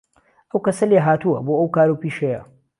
ئهو کهسه لێهاتووه بۆ ئهو کار و پیشهیه